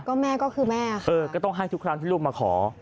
ก็ต้องให้ทุกครั้งที่ลูกมาขอ